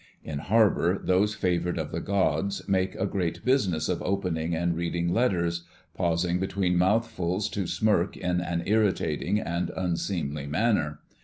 In harbour, those favoured of the gods make a great business of opening and reading letters, pausing between mouthfuls to smirk in an irritating and unseemly manner.